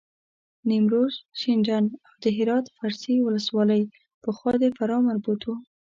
نیمروز، شینډنداو د هرات فرسي ولسوالۍ پخوا د فراه مربوط وه.